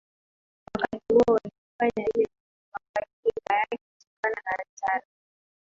Wakati huo alimfanya yule dereva kuwa kinga yake kutokana na hatari